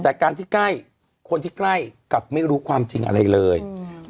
แต่การที่ใกล้คนที่ใกล้กับไม่รู้ความจริงอะไรเลยอืม